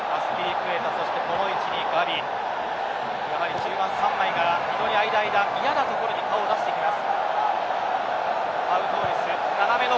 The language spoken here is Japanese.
中盤３枚が非常にいやなところに顔を出してきます。